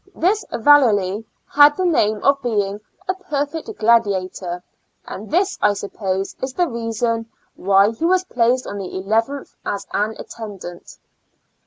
This Vallerly had the name of being a perfect gladiator, and this, I suppose, is the reason why he was placed on the eleventh as an attendant.